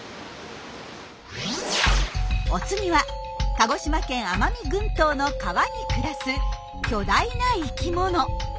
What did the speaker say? お次は鹿児島県奄美群島の川に暮らす巨大な生きもの。